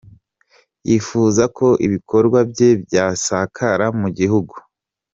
Yifuza ko ibikorwa bye byasakara mu gihugu.